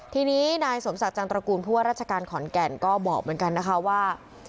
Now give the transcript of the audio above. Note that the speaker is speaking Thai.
ทีนี้นายสมศักดิ์จังตระกูลผู้ว่าราชการขอนแก่นก็บอกเหมือนกันนะคะว่า